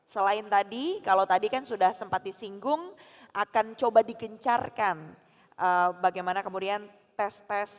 selain tadi kalau tadi kan sudah sempat disinggung akan coba digencarkan bagaimana kemudian tes tes